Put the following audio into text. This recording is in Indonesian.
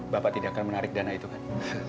bapak tidak akan menarik dana itu kan